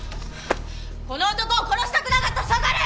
この男を殺したくなかったら下がれ！